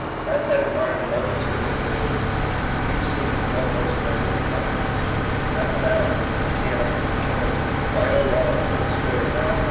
I have had in mind a multitude of individuals, each seeking the utmost measure of life. Mathematical, mechanical, chemical, vital laws hold sway around and 88 THE COMING PEOPLE.